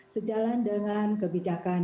sejalan dengan kebijakan